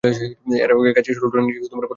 এরা গাছের সরু ডালের নিচে গর্ত করে বাসা বানায়।